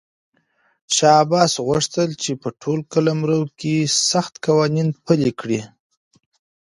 شاه عباس غوښتل چې په ټول قلمرو کې سخت قوانین پلي کړي.